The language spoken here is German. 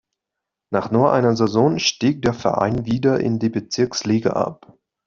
Nach nur einer Saison stieg der Verein wieder in die Bezirksliga ab.